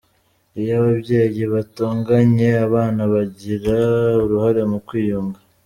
Iyo ababyeyi batonganye, abana bagira uruhare mu kwiyunga.